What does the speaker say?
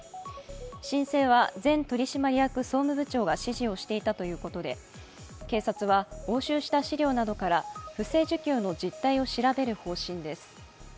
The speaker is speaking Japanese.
申請は前取締役総務部長が指示をしていたということで警察は押収した資料などから不正受給の実態を調べる方針です。